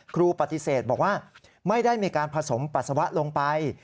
ครูปฏิเสธบอกว่าไม่ได้มีการผสมปัสสาวะลงไป